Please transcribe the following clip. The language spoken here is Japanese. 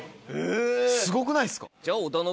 すごくないですか？